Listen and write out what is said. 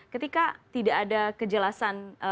ketika tidak ada kejelasan